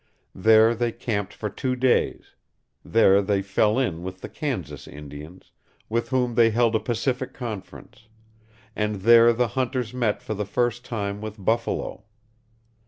There they camped for two days; there they fell in with the Kansas Indians, with whom they held a pacific conference; and there the hunters met for the first time with buffalo.